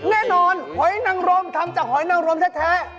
หอยนังรมทำจากหอยนังรมแท้